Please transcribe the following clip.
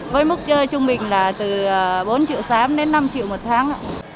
với mức trung bình là từ bốn triệu sám đến năm triệu một tháng